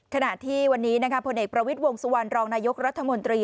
ขณะที่วันนี้พลเอกประวิทย์วงสุวรรณรองนายกรัฐมนตรี